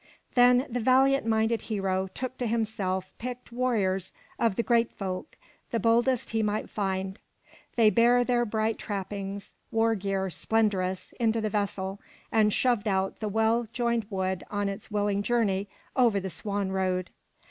Then the valiant minded hero took to himself picked warriors of the Geat folk, the boldest he might find. They bare their bright trap pings, war gear splendrous, into the vessel, and shoved out the well joined wood on its willing journey over the swan road.